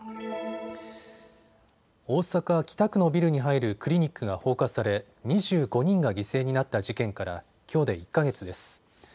大阪北区のビルに入るクリニックが放火され２５人が犠牲になった事件からきょうで１か月です。